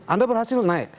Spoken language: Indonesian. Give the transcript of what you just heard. anda berhasil naik